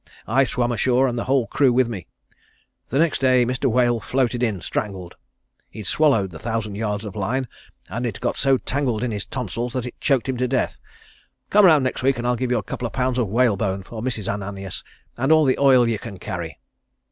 I swam ashore and the whole crew with me. The next day Mr. Whale floated in strangled. He'd swallowed the thousand yards of line and it got so tangled in his tonsils that it choked him to death. Come around next week and I'll give you a couple of pounds of whalebone for Mrs. Ananias, and all the oil you can carry."